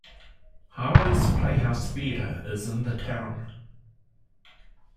Harlow's Playhouse Theatre is in the town.